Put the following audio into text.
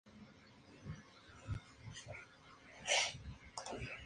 Nota: ordenadas por país y luego por ciudad.